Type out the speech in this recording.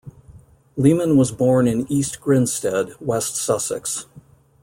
Leman was born in East Grinstead, West Sussex.